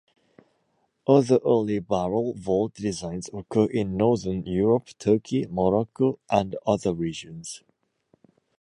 Other early barrel vault designs occur in northern Europe, Turkey, Morocco, and other regions.